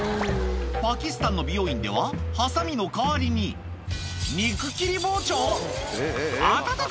パキスタンの美容院でははさみの代わりに肉切り包丁⁉あたたた！